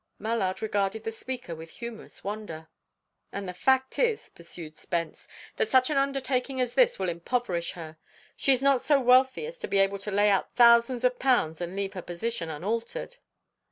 Mallard regarded the speaker with humorous wonder. "And the fact is," pursued Spence, "that such an undertaking as this will impoverish her. She is not so wealthy as to be able to lay out thousands of pounds and leave her position unaltered."